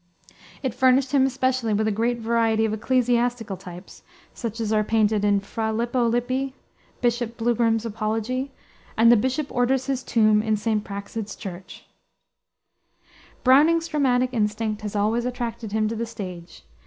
It furnished him especially with a great variety of ecclesiastical types, such as are painted in Fra Lippo Lippi, Bishop Blougram's Apology, and The Bishop Orders his Tomb in St. Praxed's Church. Browning's dramatic instinct has always attracted him to the stage.